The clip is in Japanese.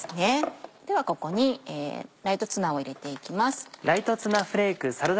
ではここにライトツナを入れていきます。